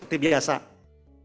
ini adalah satu dari satu